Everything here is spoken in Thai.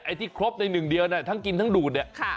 ที่ครบในหนึ่งเดียวเนี่ยทั้งกินทั้งดูดเนี่ย